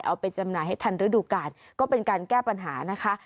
เอาไปจำหน่ายให้ทันฤดูกาลก็เป็นการแก้ปัญหานะคะ